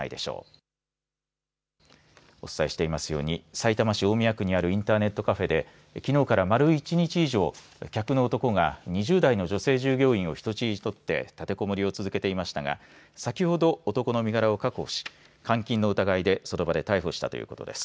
さいたま市大宮区にあるインターネットカフェできのうから丸１日以上客の男が２０代の女性従業員を人質に取って立てこもりを続けていましたが先ほど男の身柄を確保し監禁の疑いでその場で逮捕したということです。